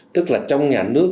tức là trong nhà nước